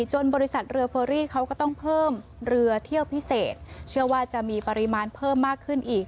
บริษัทเรือเฟอรี่เขาก็ต้องเพิ่มเรือเที่ยวพิเศษเชื่อว่าจะมีปริมาณเพิ่มมากขึ้นอีก